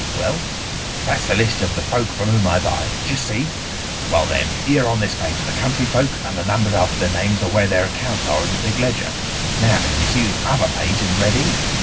"Well?" "That's the list of the folk from whom I buy. D'you see? Well, then, here on this page are the country folk, and the numbers after their names are where their accounts are in the big ledger. Now, then! You see this other page in red ink?